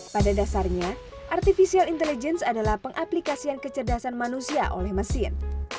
pada dasarnya artificial intelligence adalah pengaplikasian kecerdasan manusia oleh mesin